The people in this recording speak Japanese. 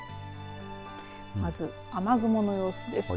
まず雨雲の様子です。